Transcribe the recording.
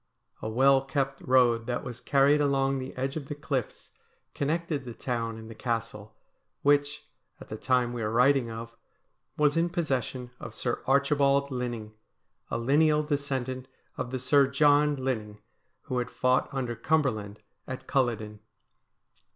A well kept road that was carried along the edge of the cliffs connected the town and the Castle, which, at the time we are writing of, was in possession of Sir Archibald Linning, a lineal descendant of the Sir John Linning who had fought under Cumberland at Culloden.